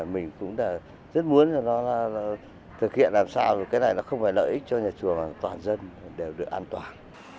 mình cũng rất muốn nó thực hiện làm sao cái này không phải lợi ích cho nhà chùa mà toàn dân đều được an toàn